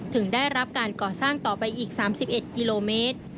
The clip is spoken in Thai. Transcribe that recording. ได้รับการก่อสร้างต่อไปอีก๓๑กิโลเมตร